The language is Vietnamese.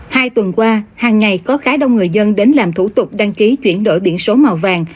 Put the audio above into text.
hai tuần qua hàng ngày có khá đông người dân đến làm thủ tục đăng ký chuyển đổi biển số màu vàng